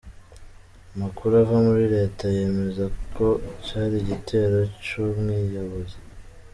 Amakuru ava muri leta yemeza ko cari igitero c'umwiyahuzi.